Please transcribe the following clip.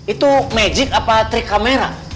itu magic apa trik kamera